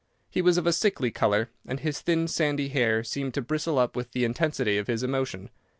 He was of a sickly colour, and his thin, sandy hair seemed to bristle up with the intensity of his emotion.